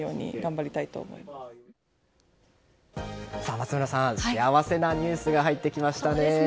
松村さん、幸せなニュースが入ってきましたね。